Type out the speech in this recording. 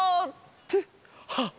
ってあっ！